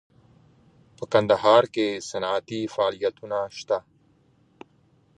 په کندهار کې صنعتي فعالیتونه شته